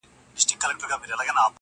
لټ د دوبي سیوری غواړي د ژمي پیتاوی -